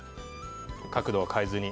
角度を変えずに。